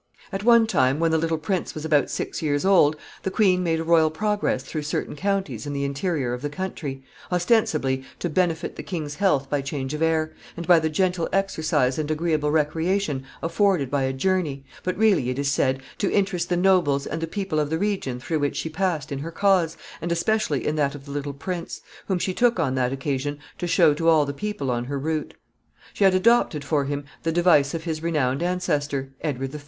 ] At one time, when the little prince was about six years old, the queen made a royal progress through certain counties in the interior of the country, ostensibly to benefit the king's health by change of air, and by the gentle exercise and agreeable recreation afforded by a journey, but really, it is said, to interest the nobles and the people of the region through which she passed in her cause, and especially in that of the little prince, whom she took on that occasion to show to all the people on her route. She had adopted for him the device of his renowned ancestor, Edward III.